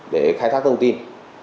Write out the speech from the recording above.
để khai thác thông tin